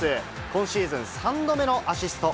今シーズン３度目のアシスト。